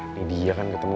ini dia kan ketemu